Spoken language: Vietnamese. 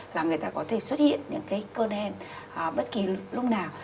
là người ta có thể xuất hiện những cơn hen bất kỳ lúc nào